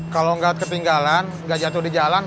kalau gak ketinggalan gak jatuh di jalan